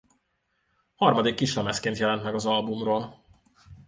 Harmadik kislemezként jelent meg az albumról.